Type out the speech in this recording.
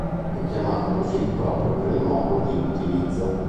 È chiamato così proprio per il modo di utilizzo.